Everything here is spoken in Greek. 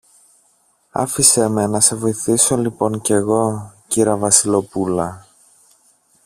Άφησε με να σε βοηθήσω λοιπόν κι εγώ, κυρα-Βασιλοπούλα.